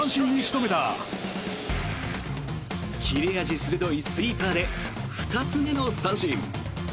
切れ味鋭いスイーパーで２つ目の三振。